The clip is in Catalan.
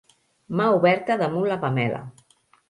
Mà oberta damunt la pamela.